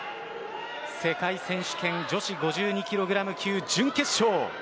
世界選手権女子５２キログラム級準決勝。